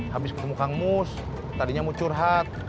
habis ketemu kang mus tadinya mau curhat